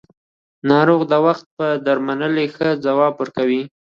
ناروغ د وخت پر درملنې ښه ځواب ورکوي